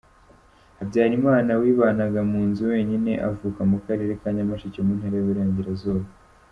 Habyarimana wibanaga mu nzu wenyine, avuka mu Karere ka Nyamasheke mu Ntara y’Iburengerazuba.